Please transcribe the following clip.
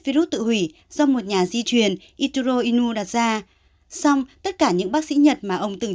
virus tự hủy do một nhà di truyền ituro inu đặt ra xong tất cả những bác sĩ nhật mà ông từng